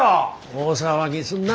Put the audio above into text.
大騒ぎすんな。